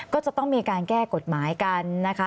ก็จะต้องมีการแก้กฎหมายกันนะคะ